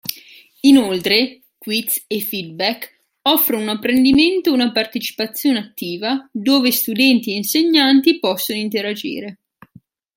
Inoltre, quiz e feedback offrono un apprendimento e una partecipazione attiva dove studenti e insegnanti possono interagire.